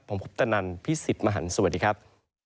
ผมคุณพุทธนันทร์พี่สิทธิ์มหันต์สวัสดีครับ